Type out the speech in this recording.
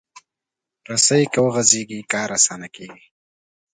رسۍ که وغځېږي، کار اسانه کېږي.